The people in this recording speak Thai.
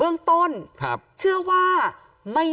เดี๋ยวลองฟังดูนะครับ